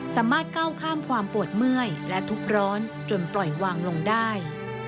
สามารถก้าวข้ามความปวดเมื่อยและทุกข์ร้อนจนปล่อยวางลงได้